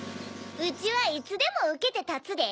うちはいつでもうけてたつで。